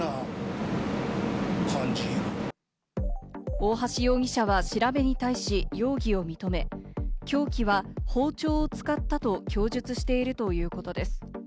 大橋容疑者は調べに対し容疑を認め、凶器は包丁を使ったと供述しているということです。